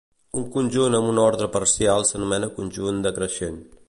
Un conjunt amb un ordre parcial s'anomena conjunt decreixent.